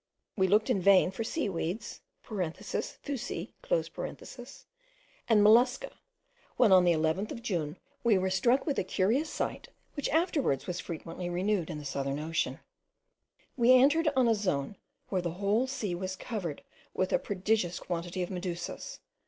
We looked in vain for sea weeds (fuci) and mollusca, when on the 11th of June we were struck with a curious sight which afterwards was frequently renewed in the southern ocean. We entered on a zone where the whole sea was covered with a prodigious quantity of medusas.